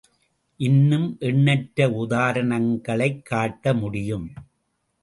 இன்னும் எண்ணற்ற உதாரணங்களைக் காட்ட முடியும்.